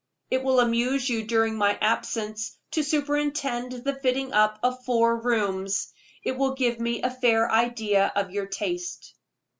It will amuse you during my absence to superintend the fitting up of four rooms it will give me a fair idea of your taste."